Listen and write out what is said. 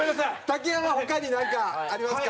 竹山他になんかありますか？